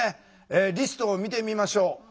リストを見てみましょう。